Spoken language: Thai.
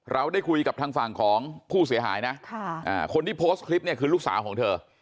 เราได้คุยกับทางฝั่งของผู้เสียหายนะคนที่โพสต์คลิปเนี่ยคือลูกสาวของเธอ